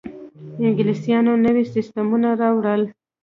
انګلیسانو نوي سیستمونه راوړل.